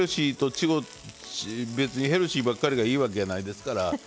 別にヘルシーばっかりがいいわけやないですから。